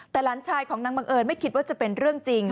แต่หลานชายของนางบังเอิญไม่คิดว่าจะเป็นเรื่องจริง